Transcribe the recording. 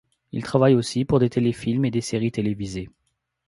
Il travaille aussi pour des téléfilms et des séries télévisées.